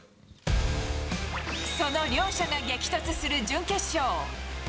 その両者が激突する準決勝。